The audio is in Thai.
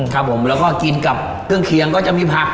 ครับผมแล้วก็กินกับเครื่องเคียงก็จะมีผัก